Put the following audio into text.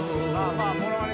まぁものまね。